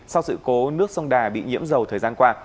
sau sự cố nước sông đà bị nhiễm dầu thời gian qua